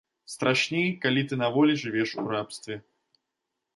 Страшней, калі ты на волі жывеш у рабстве.